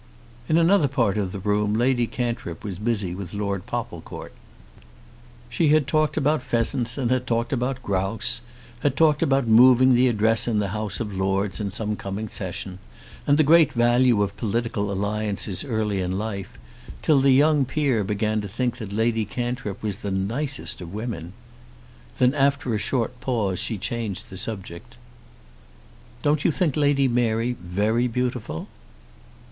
In another part of the room Lady Cantrip was busy with Lord Popplecourt. She had talked about pheasants, and had talked about grouse, had talked about moving the address in the House of Lords in some coming Session, and the great value of political alliances early in life, till the young peer began to think that Lady Cantrip was the nicest of women. Then after a short pause she changed the subject. "Don't you think Lady Mary very beautiful?"